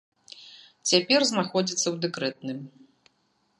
Цяпер знаходзіцца ў дэкрэтным.